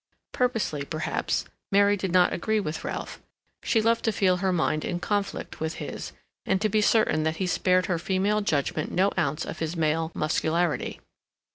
Purposely, perhaps, Mary did not agree with Ralph; she loved to feel her mind in conflict with his, and to be certain that he spared her female judgment no ounce of his male muscularity.